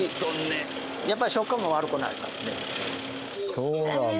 そうなんだ。